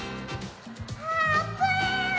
あーぷん！